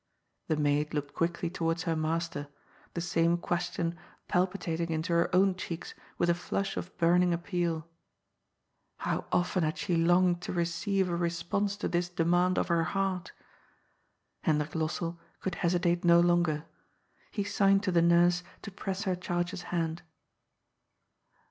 The maid looked quickly towards her master, the same question palpitating into her own cheeks with a flush of burning appeal. How often had she longed to receive a re sponse to this demand of her heart ! Hendrik Lossell could hesitate no longer. He signed to the nurse to press her charge's hand.